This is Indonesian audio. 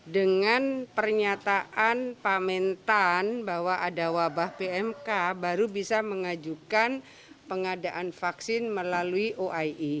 dengan pernyataan pak mentan bahwa ada wabah pmk baru bisa mengajukan pengadaan vaksin melalui oie